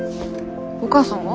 お母さんは？